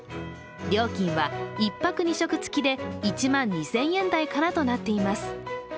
料金は１泊２食つきで１万２０００円台からとなっています。